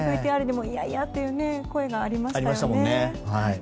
ＶＴＲでもいやいやという声がありましたものね。